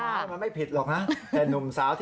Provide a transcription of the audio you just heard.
ต้นไม้มันไม่ผิดหรอกนะแต่นุ่มสาว